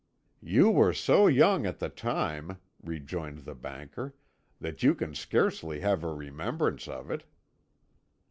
"You were so young at the time," rejoined the banker, "that you can scarcely have a remembrance of it."